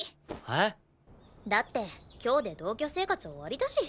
へっ？だって今日で同居生活終わりだし。